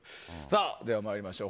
では参りましょう。